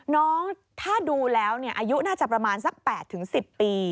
น้องถ้าดูแล้วอายุน่าจะประมาณสัก๘๑๐ปี